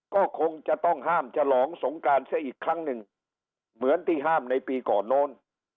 ก็คงจะต้องห้ามฉลองสงการซะอีกครั้งหนึ่งเหมือนที่ห้ามในปีก่อนโน้น